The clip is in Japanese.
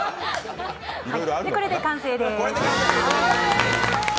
これで完成です。